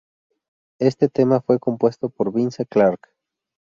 Este tema fue compuesto por Vince Clarke.